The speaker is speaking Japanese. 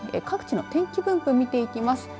各地の天気分布を見ていきます。